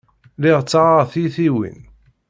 Lliɣ ttaɣeɣ tiyitiwin.